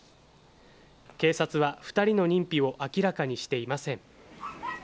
警察は２人の認否を明らかにしていません。